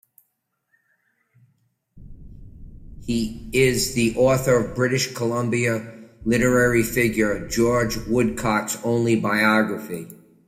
He is the author of British Columbia literary figure George Woodcock's only biography.